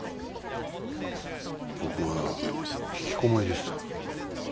僕はひきこもりでした。